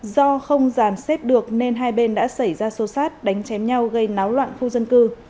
do không giàn xếp được nên hai bên đã xảy ra xô xát đánh chém nhau gây náo loạn khu dân cư